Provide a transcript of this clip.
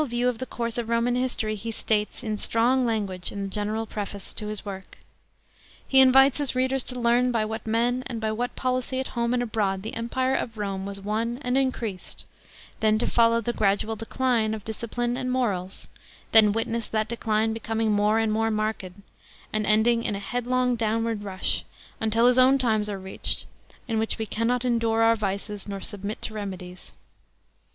view of the course of Roman history he states in strong Language in the general preface to his work. He invites his readers to learn by what men and by what policy at home and abroad the empire of Rome was won and increased, then to follow the gradual decline of discipline and morals, then witness that decline becoming more and more marked, and ending in a headlong downward rush, until his own times are reached " in which we cannot endure our vices nor submit to remedies.'